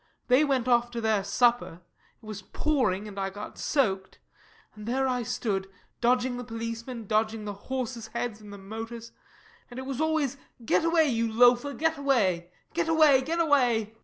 They went off to their supper it was pouring, and I got soaked and there I stood, dodging the policemen, dodging the horses' heads and the motors and it was always get away, you loafer, get away get away get away MARY.